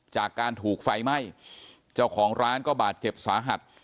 จากการถูกไฟไหม้เจ้าของร้านก็บาดเจ็บสาหัส